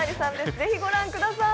ぜひご覧ください。